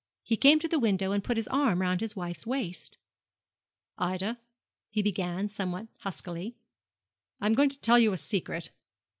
He came to the window, and put his arm round his wife's waist. 'Ida,' he began, somewhat huskily, 'I am going to tell you a secret.'